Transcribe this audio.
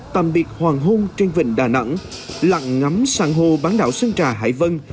tạm biệt hoàng hôn trên vịnh đà nẵng lặng ngắm san hô bán đảo sơn trà hải vân